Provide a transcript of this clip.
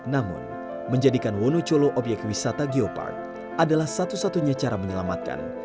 namun menjadikan wonocolo obyek wisata geopark adalah satu satunya cara menyelamatkan